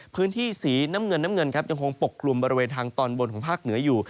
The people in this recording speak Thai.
พื้นที่สีน้ำเงินยังคงปกกลุ่มบริเวณทางตอนบนของภาคเหนืออยู่